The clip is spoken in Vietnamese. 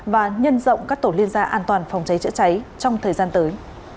và nhân rộng các tổ liên gia an toàn phòng cháy chữa cháy trong thời gian tới